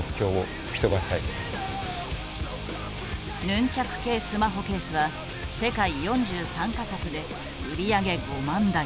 ヌンチャク系スマホケースは世界４３か国で売り上げ５万台。